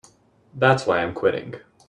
That's why I'm quitting.